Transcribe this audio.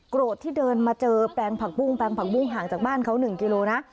โกรธที่เดินมาเจอแปลงผักปุ้งห่างจากบ้านเขา๑กิโลกรัมนะ